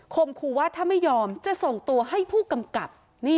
ครูว่าถ้าไม่ยอมจะส่งตัวให้ผู้กำกับ